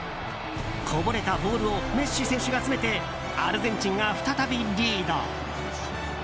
こぼれたボールをメッシ選手が詰めてアルゼンチンが再びリード。